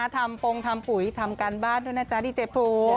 ปงทำปุ๋ยทำการบ้านด้วยนะจ๊ะดีเจภู